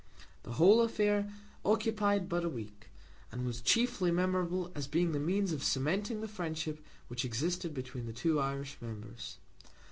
The whole affair occupied but a week, and was chiefly memorable as being the means of cementing the friendship which existed between the two Irish members.